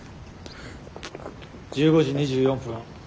１５時２４分。